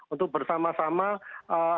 untuk bersama sama apa berkumpulkan